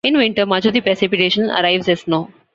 In winter, much of the precipitation arrives as snow.